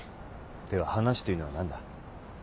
では話というのは何だ？